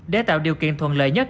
để tạo điều kiện thuận lợi nhất